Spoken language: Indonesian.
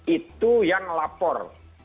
itu yang lapor